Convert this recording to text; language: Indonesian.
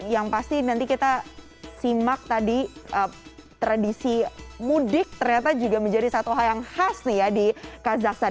yang pasti nanti kita simak tadi tradisi mudik ternyata juga menjadi satu hal yang khas nih ya di kazakhstan